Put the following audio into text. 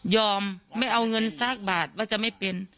ไม่เอาเงินสักบาทว่าจะไม่เป็น